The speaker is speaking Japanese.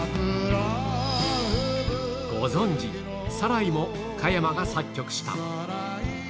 ご存じ、サライも加山が作曲した。